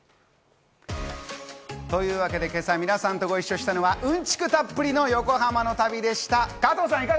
というわけで、今朝皆さんとご一緒したのはうんちくたっぷりの横浜の旅でした。